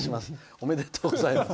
おめでとうございます。